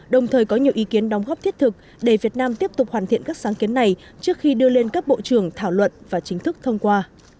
đồng thời có nhiều ý kiến đóng góp thiết thực để việt nam tiếp tục hoàn thiện các sáng kiến này trước khi đưa lên các bộ trưởng thảo luận và chính thức thông qua